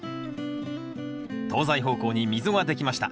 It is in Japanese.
東西方向に溝ができました。